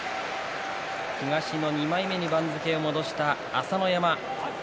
東の２枚目に番付を戻した朝乃山。